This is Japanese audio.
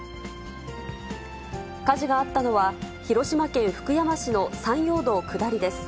火事があったのは、広島県福山市の山陽道下りです。